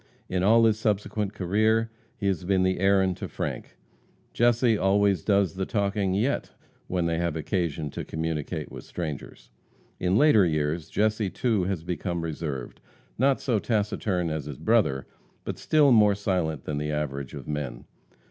In all his subsequent career he has been the Aaron to Frank. Jesse always does the talking yet, when they have occasion to communicate with strangers. In later years Jesse, too, has become reserved, not so taciturn as his brother, but still more silent than the average of men.